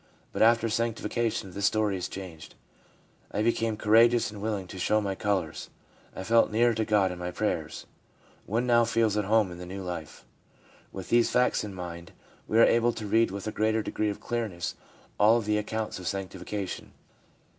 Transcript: But after sanctification the story is changed: 'I became courageous and willing to show my colours. I felt nearer to God in my prayers.' One now feels at home in the new life. With these facts in mind, we are able to read with a greater degree of clearness all of the accounts of sanctification.